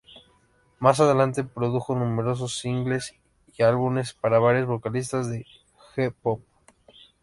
Más adelante, produjo numerosos singles y álbumes para varios vocalistas de J-Pop.